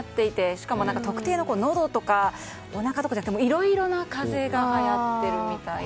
しかも、特定ののどとかおなかとかじゃなくていろいろな風邪がはやってるみたいで。